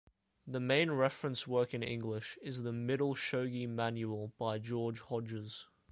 The main reference work in English is the "Middle Shogi Manual" by George Hodges.